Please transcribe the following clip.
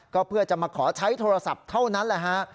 ก็เพื่อจะมาขอใช้โทรศัพท์เท่านั้นแหละฮะ